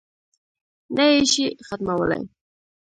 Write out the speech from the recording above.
نه یې شي ختمولای.